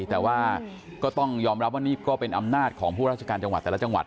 แต่ว่าก็ต้องยอมรับว่านี่ก็เป็นอำนาจของผู้ราชการจังหวัดแต่ละจังหวัด